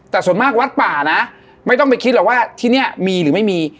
แต่ส่วนมากวัดป่านะไม่ต้องไปคิดหรอกว่าที่นี่มีหรือไม่มี